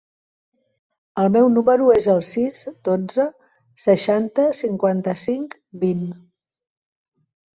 El meu número es el sis, dotze, seixanta, cinquanta-cinc, vint.